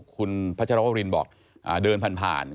คุณพัชรวรินบอกเดินผ่าน